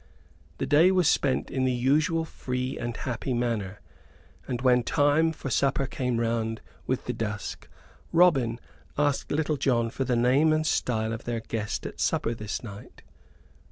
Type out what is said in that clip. The day was spent in the usual free and happy manner. And when time for supper came round with the dusk Robin asked Little John for the name and style of their guest at supper this night.